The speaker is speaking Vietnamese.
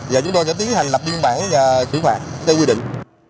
và chúng tôi sẽ tiến hành lập biên bản xử phạt theo quy định